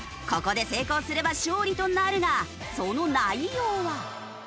ここで成功すれば勝利となるがその内容は？